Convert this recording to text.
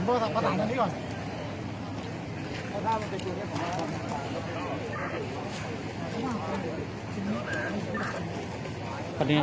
มันก็ไม่ต่างจากที่นี่นะครับ